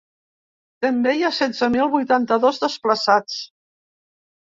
També hi ha setze mil vuitanta-dos desplaçats.